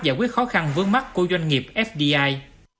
giải quyết khó khăn vướng mắt của doanh nghiệp fdi